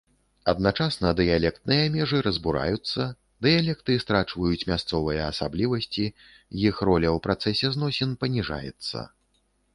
Адначасна, дыялектныя межы разбураюцца, дыялекты страчваюць мясцовыя асаблівасці, іх роля ў працэсе зносін паніжаецца.